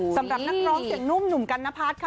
สำหรับนักร้องเสียงนุ่มหนุ่มกันนพัฒน์ค่ะ